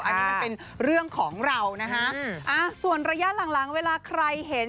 อันนี้มันเป็นเรื่องของเรานะฮะส่วนระยะหลังหลังเวลาใครเห็น